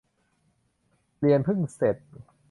เรียนเพิ่งเสร็จ